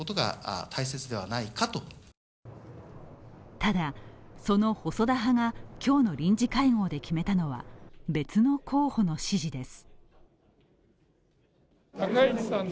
ただ、その細田派が今日の臨時会合で決めたのは別の候補の支持です。